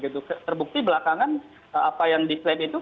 terbukti belakangan apa yang diklaim itu